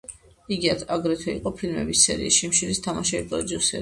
იგი აგრეთვე იყო ფილმების სერიის „შიმშილის თამაშები“ პროდიუსერი.